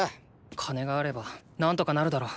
金があればなんとかなるだろう。